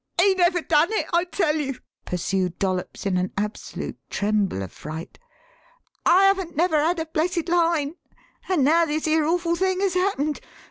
"He never done it, I tell you!" pursued Dollops in an absolute tremble of fright. "I haven't never had a blessed line; and now this here awful thing has happened.